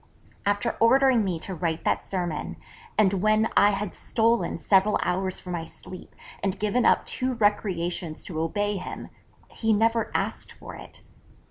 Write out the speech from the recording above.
_After ordering me to write that sermon, and when I had stolen several hours from my sleep, and given up two recreations to obey him, he never asked for it!